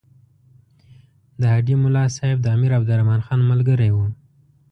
د هډې ملاصاحب د امیر عبدالرحمن خان ملګری وو.